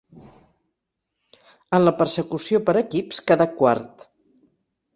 En la persecució per equips quedà quart.